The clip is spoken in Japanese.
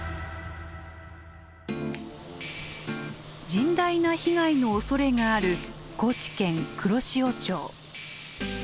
甚大な被害のおそれがある高知県黒潮町。